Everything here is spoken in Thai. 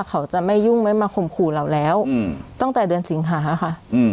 เขาจะไม่ยุ่งไม่มาข่มขู่เราแล้วตั้งแต่เดือนสิงหาค่ะ